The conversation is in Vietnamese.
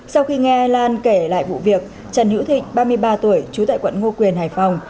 sau khi nghe lan kể lại vụ việc trần hữu thịnh ba mươi ba tuổi trú tại quận ngô quyền hải phòng